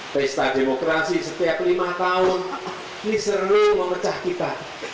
pesta demokrasi setiap lima tahun ini seru memecah kita